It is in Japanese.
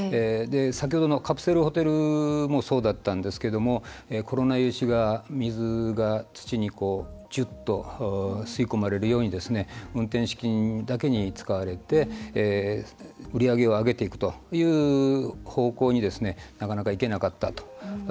先ほどのカプセルホテルもそうだったんですけどもコロナ融資が水が土にジュッと吸い込まれるように運転資金だけに使われて売り上げを上げていくという方向に、なかなかいけなかったと。